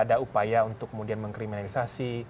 ada upaya untuk kemudian mengkriminalisasi